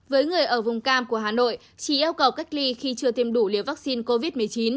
với người ở vùng cam của hà nội chỉ yêu cầu cách ly khi chưa tiêm đủ liều vaccine covid một mươi chín